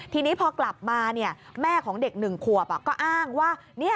ทีนี้พอกลับมาแม่ของเด็ก๑ขวบก็อ้างว่า